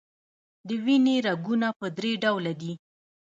د وینې رګونه په دری ډوله دي.